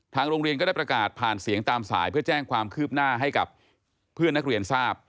โรงเรียนก็ได้ประกาศผ่านเสียงตามสายเพื่อแจ้งความคืบหน้าให้กับเพื่อนนักเรียนทราบ